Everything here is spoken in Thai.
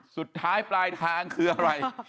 สุดท้ายปลายทางคืออะไร